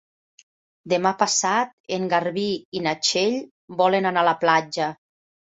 Demà passat en Garbí i na Txell volen anar a la platja.